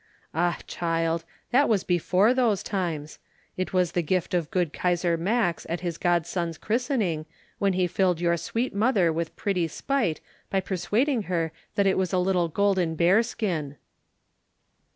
"Ah, child, that was before those times! It was the gift of good Kaisar Max at his godson's christening, when he filled your sweet mother with pretty spite by persuading her that it was a little golden bear skin."